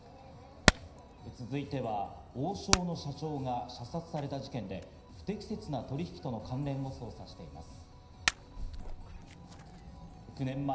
続いては、王将の社長が射殺された事件で、不適切な取引との関連を捜査しています。